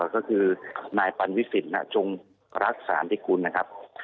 ก็คือนายปันวิสิทธิ์น่ะจุงรักษาที่คุณนะครับ